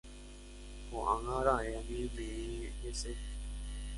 Ko'ág̃a raẽ añeme'ẽ hese